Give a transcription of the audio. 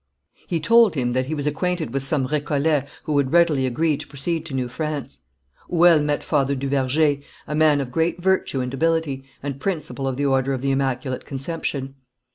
He told him that he was acquainted with some Récollets who would readily agree to proceed to New France. Hoüel met Father du Verger, a man of great virtue and ability, and principal of the order of the Immaculate Conception.